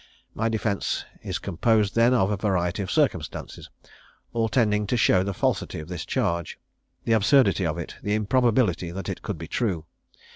"My defence is composed, then, of a variety of circumstances, all tending to show the falsity of this charge, the absurdity of it, the improbability that it could be true.